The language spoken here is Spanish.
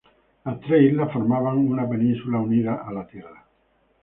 Las tres islas formaban una península unida la tierra.